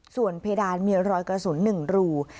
ส่วนเพดานมีรอยกระสุน๑รู